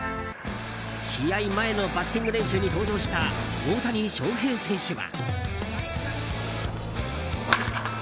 試合前のバッティング練習に登場した、大谷翔平選手は。